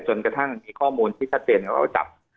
จนกระทั่งมีข้อมูลที่ชัดเป็นแล้วจับ